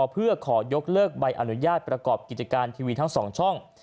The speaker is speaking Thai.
เพื่อขอยกเลิกใบอนุญาตประกอบกิจการทีวีทั้ง๒ช่อง